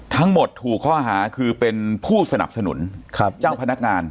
ถูกข้อหาคือเป็นผู้สนับสนุนเจ้าพนักงาน